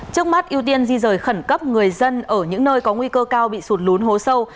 trước mắt ưu tiên di rời khẩn cấp người dân ở những nơi có nguy cơ cao bị sụt lún hố sâu